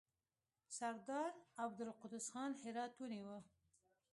سردار عبدالقدوس خان هرات ونیوی.